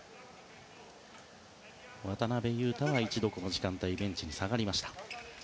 渡邊雄太は一度、この時間はベンチに下がりました。